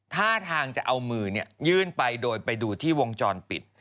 ท่าทางจะเอามือยื่นไปโดยไปดูที่วงจรปิด